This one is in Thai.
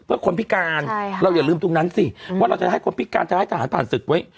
เพื่อคนพิการเราอย่าลืมตรงนั้นสิว่าเราจะให้คนพิการจะให้ทหารผ่านศึกไว้